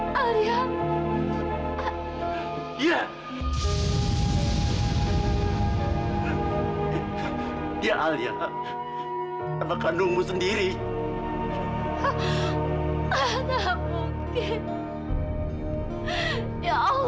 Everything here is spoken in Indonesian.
saya benar benarujua dia